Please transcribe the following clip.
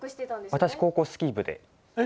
私、高校、スキー部で。